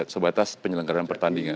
sebatas penyelenggaran pertandingan